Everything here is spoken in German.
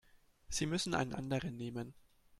Sie müssen einen anderen nehmen.